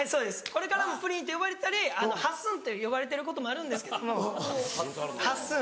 これからもプリンって呼ばれたり「はっすん」って呼ばれてることもあるんですけども「はっすん」。